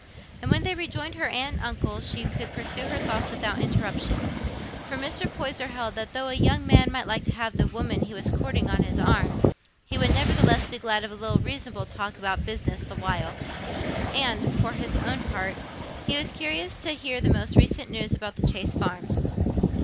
And when they rejoined her aunt and uncle, she could pursue her thoughts without interruption, for Mr. Poyser held that though a young man might like to have the woman he was courting on his arm, he would nevertheless be glad of a little reasonable talk about business the while; and, for his own part, he was curious to hear the most recent news about the Chase Farm.